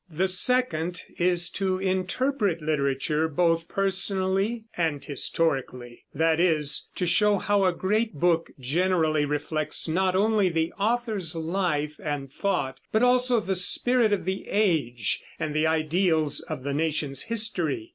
The second is to interpret literature both personally and historically, that is, to show how a great book generally reflects not only the author's life and thought but also the spirit of the age and the ideals of the nation's history.